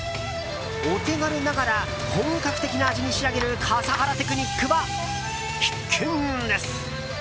お手軽ながら本格的な味に仕上げる笠原テクニックは必見です。